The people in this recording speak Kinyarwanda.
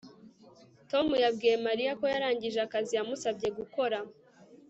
Tom yabwiye Mariya ko yarangije akazi yamusabye gukora